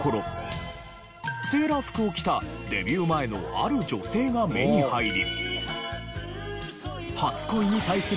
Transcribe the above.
セーラー服を着たデビュー前のある女性が目に入り。